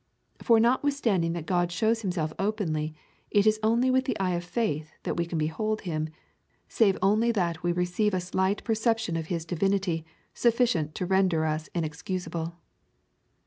For notwithstanding that God shows himself openly, it is only with the eye of faith that we can behold him, save only that we receive a slight perception of his divinity, sufficient to render us inexcusable.